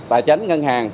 tài tránh ngân hàng